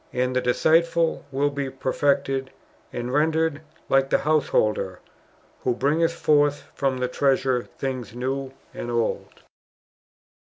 "* And the disciple will be perfected, and [rendered] like the householder, " who briniieth forth from his treasure thino s new and old."